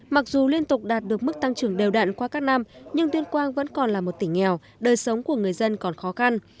mặc dù liên tục đạt được mức tăng trưởng đều đạn qua các năm nhưng tuyên quang vẫn còn là một tỉnh nghèo đời sống của người dân còn khó khăn